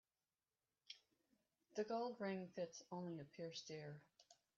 The gold ring fits only a pierced ear.